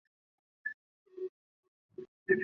先是越位入球竟屡屡获判有效。